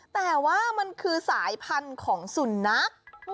แต่ว่ามันคือสายพันธุ์ของสุนัข